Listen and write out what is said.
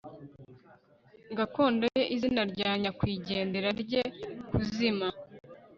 gakondo ye izina rya nyakwigendera rye kuzima